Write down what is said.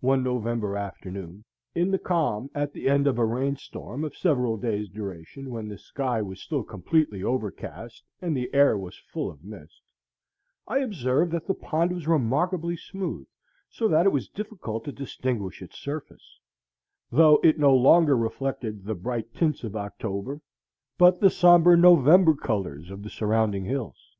One November afternoon, in the calm at the end of a rain storm of several days' duration, when the sky was still completely overcast and the air was full of mist, I observed that the pond was remarkably smooth, so that it was difficult to distinguish its surface; though it no longer reflected the bright tints of October, but the sombre November colors of the surrounding hills.